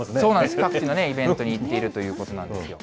各地のイベントに行っているということなんですよ。